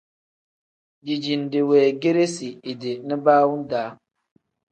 Dijinde weegeresi idi nibaawu-daa.